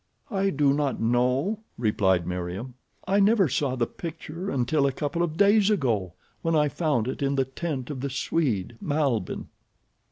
"I do not know," replied Meriem. "I never saw the picture until a couple of days ago, when I found it in the tent of the Swede, Malbihn."